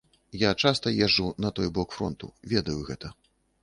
Я часта езджу на той бок фронту, ведаю гэта.